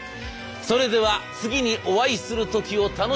それでは次にお会いする時を楽しみに。